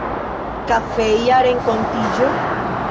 Kafeja renkontiĝo?